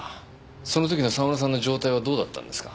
その時の沢村さんの状態はどうだったんですか？